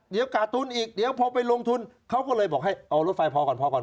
เดี๋ยวขาดทุนอีกเดี๋ยวพอไปลงทุนเขาก็เลยบอกให้เอารถไฟพอก่อนพอก่อน